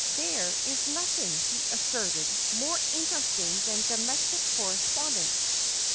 ' There is nothing,' he asserted, ' more interest ing than domestic correspondence.